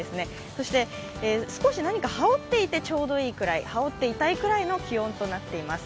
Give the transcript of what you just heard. そして少し何か羽織っていてちょうどいいくらい、羽織っていたいくらいの気温となっています。